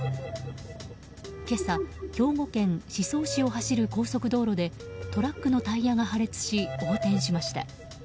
今朝、兵庫県宍粟市を走る高速道路でトラックのタイヤが破裂し横転しました。